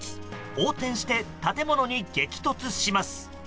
横転して建物に激突します。